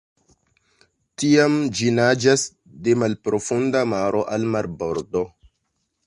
Tiam ĝi naĝas de malprofunda maro al marbordo.